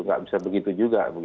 nggak bisa begitu juga